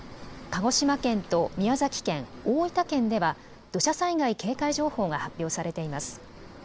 鹿児島県と宮崎県、大分県では、土砂災害警戒情報が発表されています。